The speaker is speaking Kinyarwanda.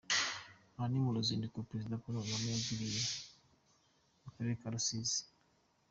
Aha ni mu ruzinduko Perezida Paul Kagame yari yagiriye mu karere ka Rusizi.